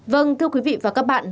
vâng thưa quý vị và các bạn